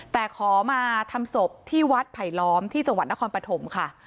แต่ขอมาทำศพที่วัดไผลล้อมที่จังหวัดนครปฐมค่ะ